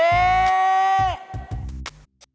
renaldi dan anggia